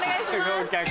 合格。